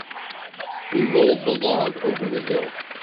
We rolled the log over the hill.